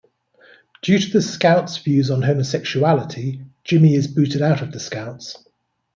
Due to the scouts' views on homosexuality, Jimmy is booted out of the scouts.